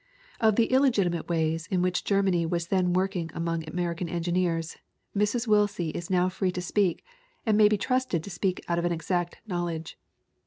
Of the illegitimate ways in which Germany was then working among American engineers Mrs. Willsie is now free to speak and may be trusted to speak out of an exact knowledge.